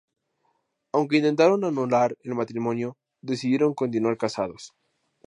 Aunque intentaron anular el matrimonio, decidieron continuar casados.